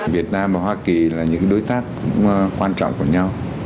việt nam và hoa kỳ là những đối tác quan trọng của nhau